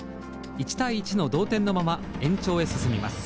１対１の同点のまま延長へ進みます。